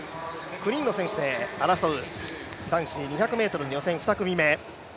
クリーンの選手で争う、男子２００ｍの予選、２組目。